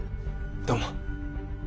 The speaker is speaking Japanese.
どうも。